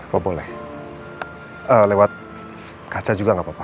kalau boleh lewat kaca juga nggak apa apa